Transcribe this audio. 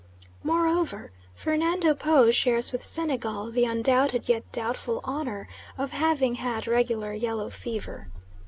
Moreover, Fernando Po shares with Senegal the undoubted yet doubtful honour of having had regular yellow fever.